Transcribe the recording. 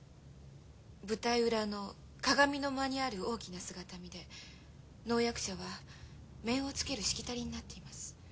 舞台裏の鏡の間にある大きな姿見で能役者は面を付けるしきたりになっています。